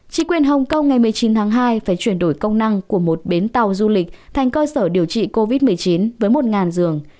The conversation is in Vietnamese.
chỉ quyền hồng kông ngày một mươi chín tháng hai phải chuyển đổi công năng của một bến tàu du lịch thành cơ sở điều trị covid một mươi chín với một giường